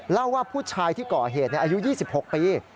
เล่าว่าผู้ชายที่ก่อเหตุอายุ๒๖ปี